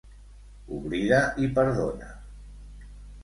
Oblida y perdona.